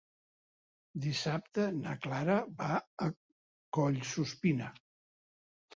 Dissabte na Clara va a Collsuspina.